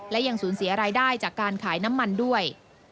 และยังสูญเสียรายได้จากการขายน้ำมันด้วย